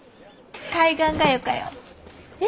海岸がよかよ。え？